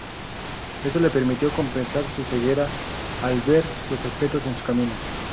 Esto le permitió compensar su ceguera al "ver" los objetos en su camino.